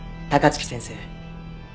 高槻先生。